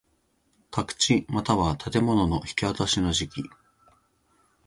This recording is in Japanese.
宅地又は建物の引渡しの時期